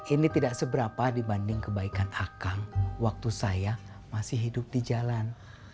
ini tidak seberapa dibanding kebaikan akan waktu saya masih hidup di jalan